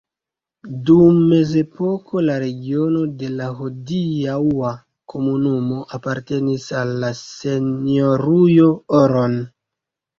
Dum mezepoko la regiono de la hodiaŭa komunumo apartenis al la Senjorujo Oron.